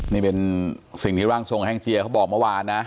นี่เป็นสิ่งที่ร่างทรงแห้งเจียเขาบอกเมื่อวานนะ